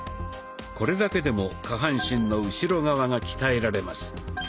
これだけでも下半身の後ろ側が鍛えられます。